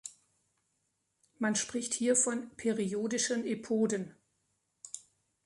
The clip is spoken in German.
Man spricht hier von "periodischen Epoden".